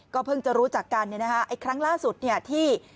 ก็เพิ่งจะรู้จักกันครั้งล่าสุดที่